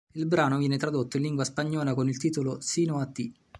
Il brano viene tradotto in lingua spagnola con il titolo "Sino a ti".